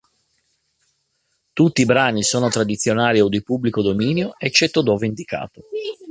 Tutti i brani sono tradizionali o di pubblico dominio, eccetto dove indicato.